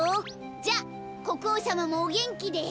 じゃこくおうさまもおげんきで。